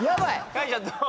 カミちゃんどう？